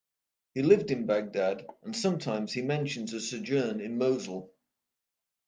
He lived in Baghdad and sometimes he mentions a sojourn in Mosul.